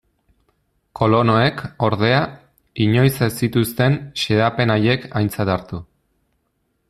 Kolonoek, ordea, inoiz ez zituzten xedapen haiek aintzat hartu.